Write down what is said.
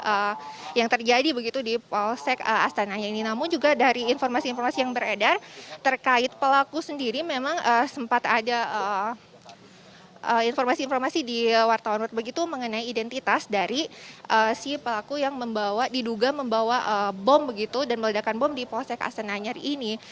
sebenarnya apa yang terjadi begitu di polsek astana anyar ini namun juga dari informasi informasi yang beredar terkait pelaku sendiri memang sempat ada informasi informasi di wartawan begitu mengenai identitas dari si pelaku yang membawa diduga membawa bom begitu dan meledakan bom di polsek astana anyar ini